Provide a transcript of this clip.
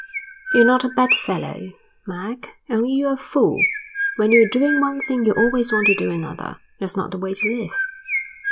"You're not a bad fellow, Mac. Only you're a fool. When you're doing one thing you always want to do another. That's not the way to live."